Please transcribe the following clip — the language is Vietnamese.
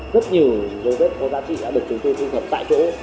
rất nhiều dấu vết có giá trị đã được chúng tôi thu thập tại chỗ